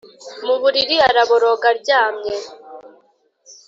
mu buriri araboroga aryamye,